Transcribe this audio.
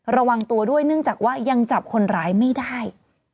ระวังตัวด้วยเนื่องจากว่ายังจับคนร้ายไม่ได้